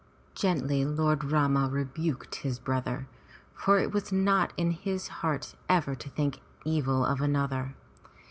'* Gently Lord Rama rebuked his brother, for it was not in his heart ever to think evil of another.